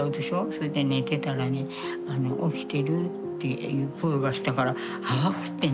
それで寝てたらね「起きてる？」っていう声がしたから泡食ってね。